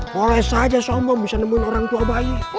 boleh saja sombong bisa nemuin orang tua bayi